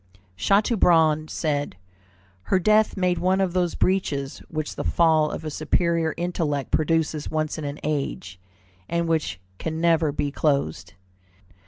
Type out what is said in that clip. Chateaubriand said, "Her death made one of those breaches which the fall of a superior intellect produces once in an age, and which can never be closed."